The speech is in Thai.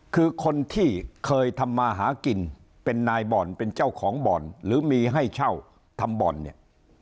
คือคนที่เคยทำมาหากินเป็นนายบ่อนเป็นเจ้าของบ่อนหรือมีให้เช่าทำบ่อนเนี่ย